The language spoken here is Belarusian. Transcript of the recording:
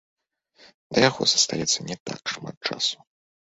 Да яго застаецца не так шмат часу.